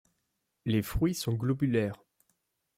Les fruits sont globulaires.